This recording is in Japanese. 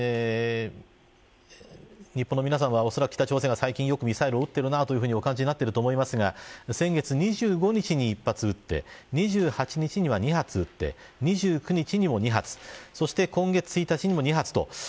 日本の皆さんは恐らく北朝鮮が最近よくミサイルを撃っているとお感じになっていると思いますが先月２５日に、１発撃って２８日には２発撃って２９日にも２発そして今月１日も２発と。